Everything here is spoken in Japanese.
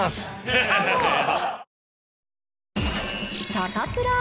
サタプラ。